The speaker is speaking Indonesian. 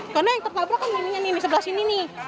karena yang tertabrak kan di sebelah sini